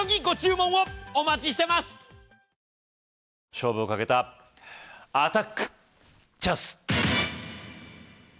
勝負をかけたアタックチャンス‼